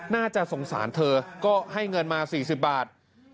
น่าจะสงสารเธอก็ให้เงินมา๔๐บาท